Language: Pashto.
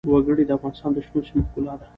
وګړي د افغانستان د شنو سیمو ښکلا ده.